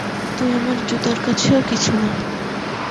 তুই আমার জুতার কাছেও কিছু বা।